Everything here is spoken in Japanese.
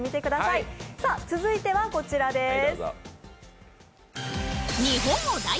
続いてはこちらです。